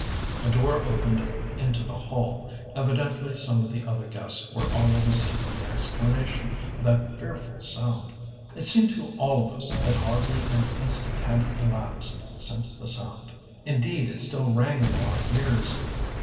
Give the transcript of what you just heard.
A door opened into the hall evidently some of the other guests were already seeking the explanation of that fearful sound. It seemed to all of us that hardly an instant had elapsed since the sound. Indeed it still rang in our ears.